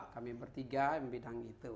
kami bertiga yang bilang itu